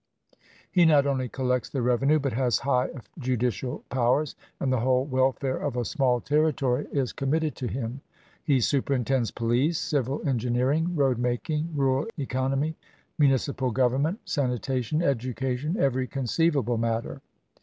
He not only collects the revenue, but has high judicial powers, and the whole welfare of a small territory is committed to him. He superintends police, civil engi neering, road making, rural economy, municipal govern ment, sanitation, education, every conceivable matter.